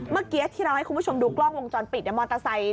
เมื่อกี้ที่เราให้คุณผู้ชมดูกล้องวงจรปิดมอเตอร์ไซค์